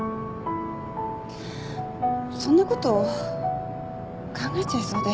そんなことを考えちゃいそうで。